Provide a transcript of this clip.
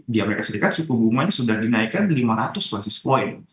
di amerika serikat suku bunganya sudah dinaikkan lima ratus basis point